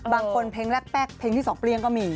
บางคนเพลงแรกแปลกเพลงที่สองเปรี้ยงก็มี